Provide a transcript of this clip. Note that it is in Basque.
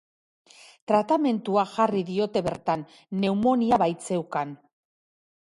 Tratamentua jarri diote bertan, pneumonia baitzeukan.